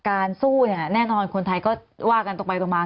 การสู้เนี่ยแน่นอนคนไทยก็ว่ากันตรงไปตรงมา